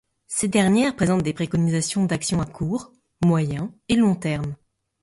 Ces dernières présentent des préconisations d’actions à court, moyen et long termes.